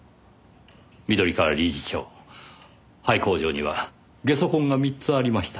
緑川理事長廃工場には下足痕が３つありました。